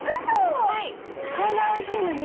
こんなおいしいのに？